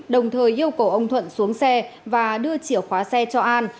đồng thời yêu cầu ông thuận xuống xe và đưa chìa khóa xe cho an